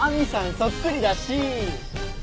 そっくりだし。